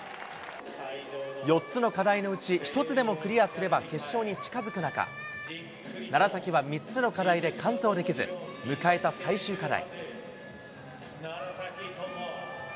４つの課題のうち、１つでもクリアすれば決勝に近づく中、楢崎は３つの課題で完登できず、迎えた最終課題。